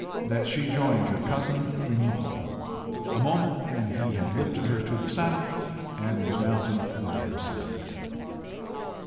that she joined her cousin in the hall. A moment, and he had lifted her to the saddle, and was mounted by her side.